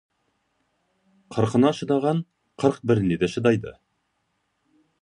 Қырқына шыдаған, қырық біріне де шыдайды.